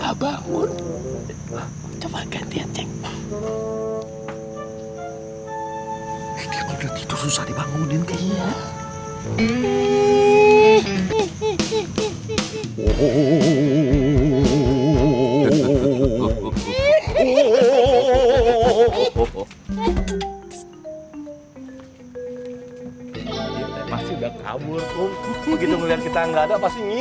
eldar bolsonaro bawah tni mengingat kang idoi